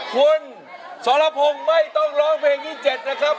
คุณสรพงศ์ไม่ต้องร้องเพลงที่๗นะครับ